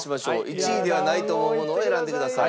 １位ではないと思うものを選んでください。